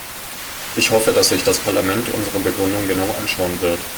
Ich hoffe, dass sich das Parlament unsere Begründung genau anschauen wird.